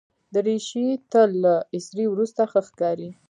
دریشي تل له استري وروسته ښه ښکاري.